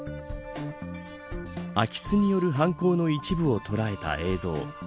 空き巣による犯行の一部を捉えた映像。